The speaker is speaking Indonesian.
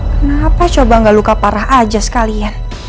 kenapa coba gak luka parah aja sekalian